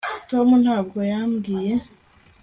tom ntabwo yambwiye